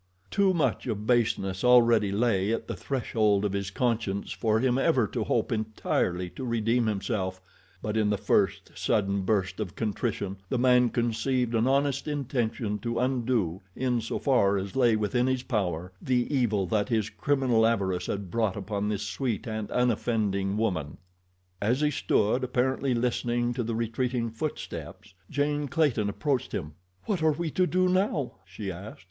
Too much of baseness already lay at the threshold of his conscience for him ever to hope entirely to redeem himself; but in the first, sudden burst of contrition the man conceived an honest intention to undo, in so far as lay within his power, the evil that his criminal avarice had brought upon this sweet and unoffending woman. As he stood apparently listening to the retreating footsteps—Jane Clayton approached him. "What are we to do now?" she asked.